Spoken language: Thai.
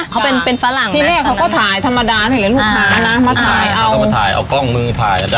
เขาเป็นเป็นฝรั่งที่แม่เขาก็ถ่ายธรรมดาเห็นหรือลูกค้านะมาถ่ายเอาเอาต้องมือถ่ายอ่ะ